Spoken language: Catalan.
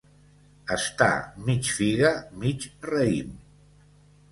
Està mig figa mig raïm.